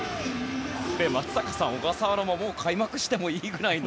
松坂さん、小笠原ももう開幕してもいいくらいの。